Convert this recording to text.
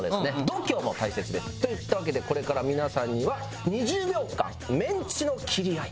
度胸も大切です。といったわけでこれから皆さんには２０秒間メンチの切り合い。